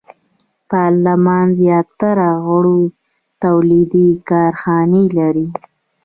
پارلمان زیاتره غړو تولیدي کارخانې لرلې.